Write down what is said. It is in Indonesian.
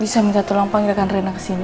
bisa minta tolong panggilkan rena kesini